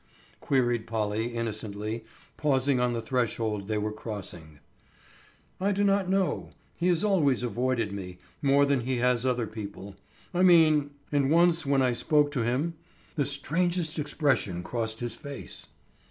queried Polly innocently, pausing on the threshold they were crossing. "I do not know: he has always avoided me, more than he has other people, I mean—and once when I spoke to him, the strangest expression crossed his face."